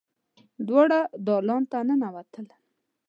دواړه دالان ته ننوتل.